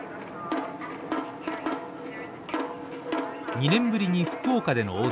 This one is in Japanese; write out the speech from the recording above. ２年ぶりに福岡での大相撲。